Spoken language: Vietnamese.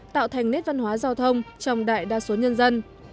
tạo thành nét văn hóa giao thông trong đại đa số nhân dân